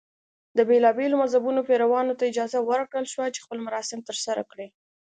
د بېلابېلو مذهبونو پیروانو ته اجازه ورکړل شوه چې خپل مراسم ترسره کړي.